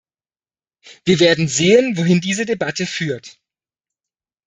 Wir werden sehen, wohin diese Debatte führt.